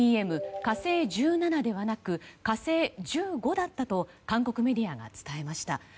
「火星１７」ではなく「火星１５」だったと韓国メディアが伝えました。